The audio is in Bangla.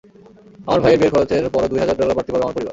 আমার ভাইয়ের বিয়ের খরচের পরও দুই হাজার ডলার বাড়তি পাবে আমার পরিবার।